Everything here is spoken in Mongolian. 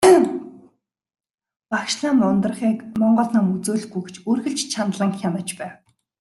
Багш лам Ундрахыг монгол ном үзүүлэхгүй гэж үргэлж чандлан хянаж байв.